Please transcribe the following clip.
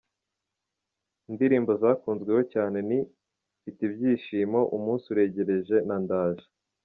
Indirimbo zakunzweho cyane ni “Mfite Ibyishimo, Umunsi uregereje na Ndaje ”.